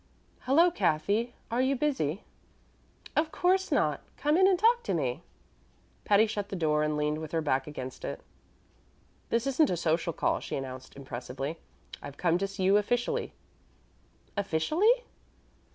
"Hello, Cathy! Are you busy?" "Of course not. Come in and talk to me." Patty shut the door and leaned with her back against it. "This isn't a social call," she announced impressively. "I've come to see you officially." "Officially?"